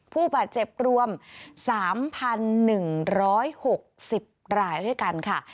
ผู้บาดเจ็บรวม๓๑๖๐รายด้วยกันค่ะ